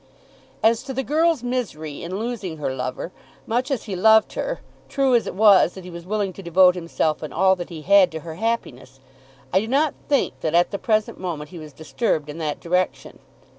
As to the girl's misery in losing her lover, much as he loved her, true as it was that he was willing to devote himself and all that he had to her happiness, I do not think that at the present moment he was disturbed in that direction.